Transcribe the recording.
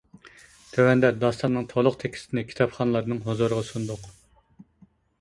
تۆۋەندە داستاننىڭ تولۇق تېكىستىنى كىتابخانلارنىڭ ھۇزۇرىغا سۇندۇق.